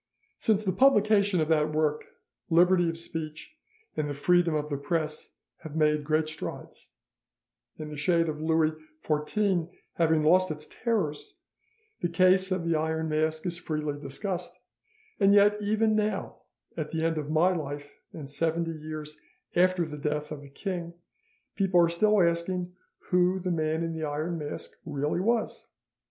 "Since the publication of that work, liberty of speech and the freedom of the press have made great strides, and the shade of Louis XIV having lost its terrors, the case of the Iron Mask is freely discussed, and yet even now, at the end of my life and seventy years after the death of the king, people are still asking who the Man in the Iron Mask really was.